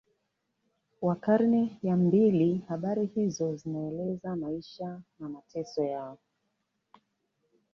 wa karne ya mbili Habari hizo zinaeleza maisha na mateso yao